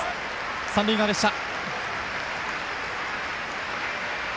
三塁側でした。